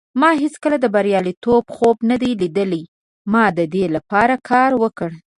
ما هیڅکله د بریالیتوب خوب نه دی لیدلی. ما د دې لپاره کار وکړ.